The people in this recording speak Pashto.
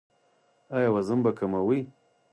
ایا وزن به کموئ؟